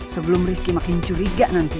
sebelum rizky makin curiga nanti